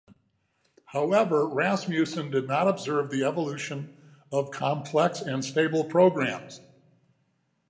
However, Rasmussen did not observe the evolution of complex and stable programs.